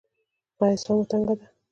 ایا ساه مو تنګه ده؟